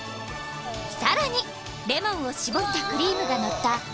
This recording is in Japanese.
さらにレモンを搾ったクリームがのった